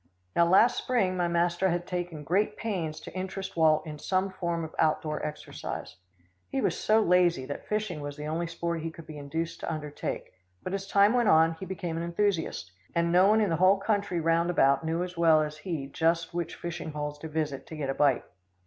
Now last spring my master had taken great pains to interest Walt in some form of out door exercise. He was so lazy that fishing was the only sport he could be induced to undertake, but as time went on, he became an enthusiast, and no one in the whole country round about knew as well as he just which fishing pools to visit to get a bite.